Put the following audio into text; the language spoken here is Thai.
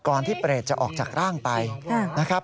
ก่อนที่เปรตจะออกจากร่างไปนะครับ